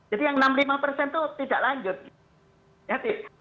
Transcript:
jadi yang enam puluh lima persen itu tidak lanjut